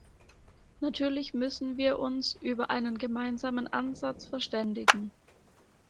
Natürlich müssen wir uns über einen gemeinsamen Ansatz verständigen.